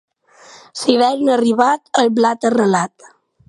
L'hivern arribat, el blat arrelat.